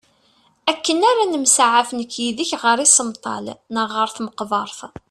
Akken ara nemsaɛaf nekk yid-k ɣer isemṭal neɣ ɣer tmeqbert.